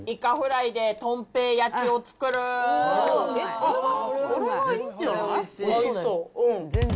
あっ、これはいいんじゃない。